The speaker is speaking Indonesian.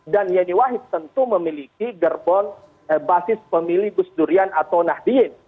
dan yeni wahid tentu memiliki gerbong basis pemilih gus durian atau nahdien